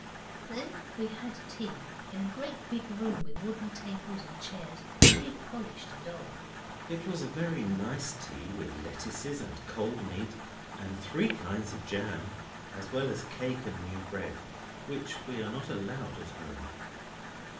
Then we had tea in a great big room with wooden chairs and tables, very polished and old. It was a very nice tea, with lettuces, and cold meat, and three kinds of jam, as well as cake, and new bread, which we are not allowed at home.